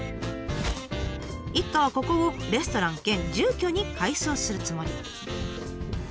一家はここをレストラン兼住居に改装するつもり。